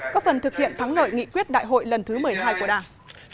có phần thực hiện thắng lợi nghị quyết đại hội lần thứ một mươi hai của đảng